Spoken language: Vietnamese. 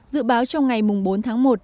dự báo trong ngày bốn tháng một